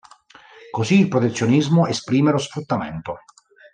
Così il protezionismo esprime lo sfruttamento.